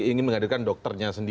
ingin menghadirkan dokter